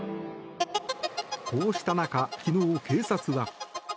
こうした中昨日、警察は。